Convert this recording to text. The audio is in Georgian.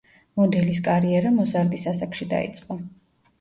მოდელის კარიერა მოზარდის ასაკში დაიწყო.